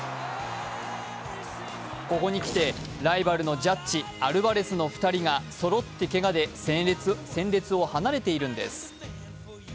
ここに来て、ライバルのジャッジ、アルバレスの２人がそろってけがで戦列を離れているんです。